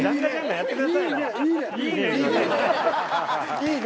「いいね！」